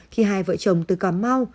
khi hai vợ chồng từ cà mau